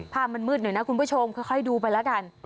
ภาพมันมืดหน่อยนะคุณผู้ชมค่อยดูไปแล้วกัน